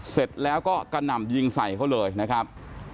เสร็จแล้วก็กระหน่ำยิงใส่เขาเลยนะครับ